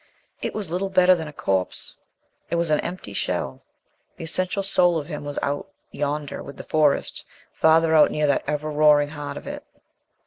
It was little better than a corpse. It was an empty shell. The essential soul of him was out yonder with the Forest farther out near that ever roaring heart of it.